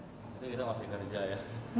jadi kita masih kerja ya